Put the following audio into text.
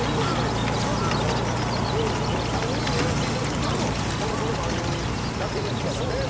この３人でやらせていただくのもホントこの番組だけですからね。